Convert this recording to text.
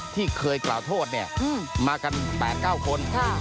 ที่เคยกล่าวโทษเนี่ยมากัน๘๙คน